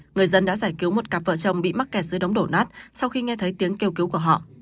người dân đã giải cứu một cặp vợ chồng bị mắc kẹt dưới đống đổ nát sau khi nghe thấy tiếng kêu cứu của họ